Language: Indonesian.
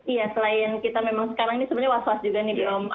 iya selain kita memang sekarang ini sebenarnya was was juga nih